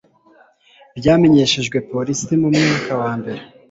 ryamenyeshejwe polisi mu mwaka wa mbere